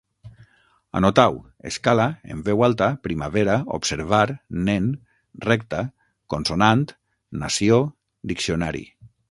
Anotau: escala, en veu alta, primavera, observar, nen, recta, consonant, nació, diccionari